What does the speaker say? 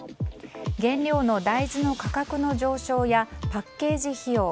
原料の大豆の価格の上昇やパッケージ費用